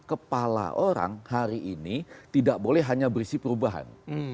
kepala orang hari ini tidak boleh hanya berisi perubahan